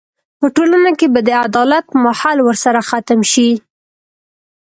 په ټولنه کې به د عدالت ماحول ورسره ختم شي.